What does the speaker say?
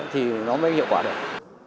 thì nó mới hiệu quả được